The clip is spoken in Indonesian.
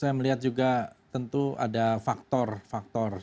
lalu saya melihat juga tentu ada faktor faktor seperti dia ini orang dari luwarpartai